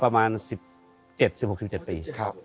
ประมาณ๑๗๑๖๑๗ปี